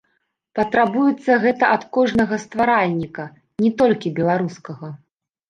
Патрабуецца гэта ад кожнага стваральніка, не толькі беларускага.